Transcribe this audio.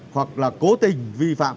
hoặc là cố tình vi phạm